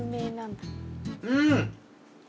うん！